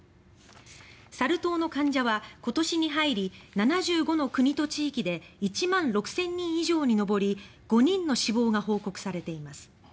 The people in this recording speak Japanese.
サル痘の患者は今年に入り７５の国と地域で１万６０００人以上に上り５人の死亡が報告されています。